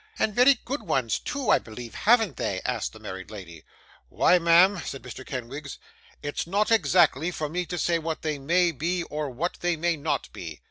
'And very good ones too, I believe, haven't they?' asked the married lady. 'Why, ma'am,' said Mr. Kenwigs, 'it's not exactly for me to say what they may be, or what they may not be.